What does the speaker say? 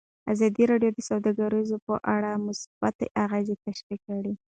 ازادي راډیو د سوداګري په اړه مثبت اغېزې تشریح کړي.